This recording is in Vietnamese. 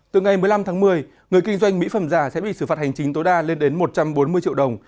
từ ngày một mươi năm tháng một mươi người kinh doanh mỹ phẩm giả sẽ bị xử phạt hành chính tối đa lên đến một trăm bốn mươi triệu đồng